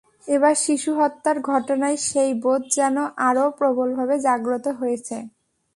এবার শিশু হত্যার ঘটনায় সেই বোধ যেন আরও প্রবলভাবে জাগ্রত হয়েছে।